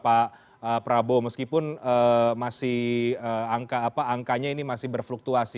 pak prabowo meskipun masih angkanya ini masih berfluktuasi